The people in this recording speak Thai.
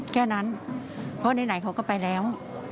แค่นั้นเพราะไหนเขาก็ไปแล้ว